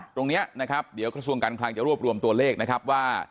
ตรงนี้นะครับเดี๋ยวกระทรวงการคลังจะรวบรวมตัวเลขนะครับว่า